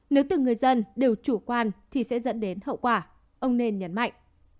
nếu từng người dân đều chủ quan thì sẽ dẫn đến hậu quả ông nên nhấn mạnh